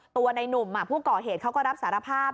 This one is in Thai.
ในหนุ่มผู้ก่อเหตุเขาก็รับสารภาพ